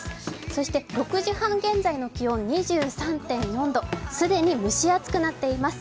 そして６時半現在の気温、２３．４度。既に蒸し暑くなっています。